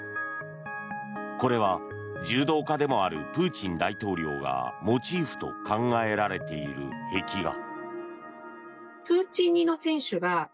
これは柔道家でもあるプーチン大統領がモチーフと考えられている壁画。